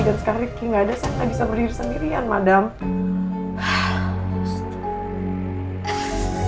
dan sekalipun rifki gak ada saya gak bisa berdiri sendirian madal